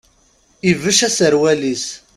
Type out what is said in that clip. Ibecc aserwal-is.